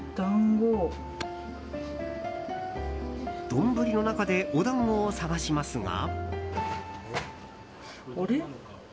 丼の中でお団子を探しますが。